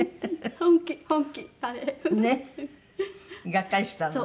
がっかりしたのね。